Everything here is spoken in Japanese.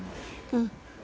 うん。